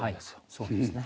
そうですね。